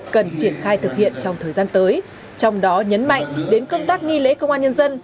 cần triển khai thực hiện trong thời gian tới trong đó nhấn mạnh đến công tác nghi lễ công an nhân dân